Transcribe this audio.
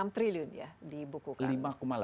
enam triliun ya di bukukan